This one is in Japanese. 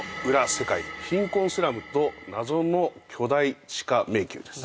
世界貧困スラムと謎の巨大地下迷宮です